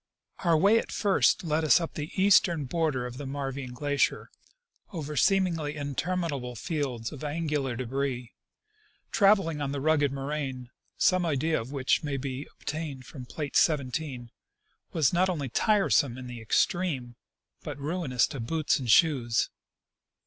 Our way at first led up the eastern border of the Marvine glacier, over seemingly interminable fields of angular debris. Traveling on the rugged nioraine, some idea of which may be obtained from plate 17, was not only tiresome in the extreme, but ruinous to boots and shoes.